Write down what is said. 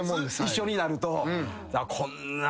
一緒になると。